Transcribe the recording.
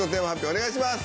お願いします。